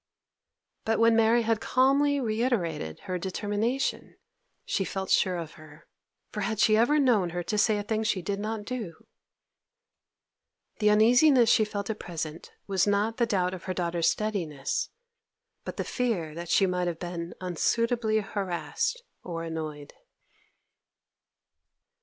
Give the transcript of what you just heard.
But when Mary had calmly reiterated her determination, she felt sure of her. For had she ever known her to say a thing she did not do? The uneasiness she felt at present was not the doubt of her daughter's steadiness, but the fear that she might have been unsuitably harassed or annoyed.